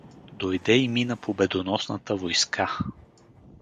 Дойде и мина победоносната войска.